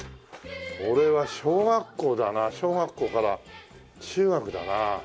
俺は小学校だな小学校から中学だな。